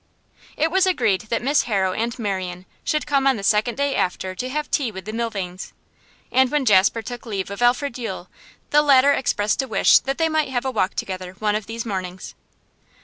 It was agreed that Miss Harrow and Marian should come on the second day after to have tea with the Milvains. And when Jasper took leave of Alfred Yule, the latter expressed a wish that they might have a walk together one of these mornings.